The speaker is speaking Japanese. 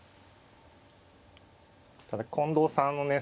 ただ近藤さんのね